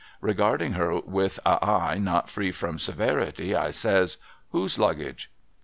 Regarding her with a eye not free from severity, I says, ' Whose Luggage